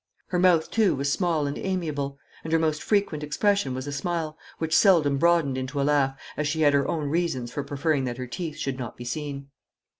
Her mouth, too, was small and amiable, and her most frequent expression was a smile, which seldom broadened into a laugh, as she had her own reasons for preferring that her teeth should not be seen.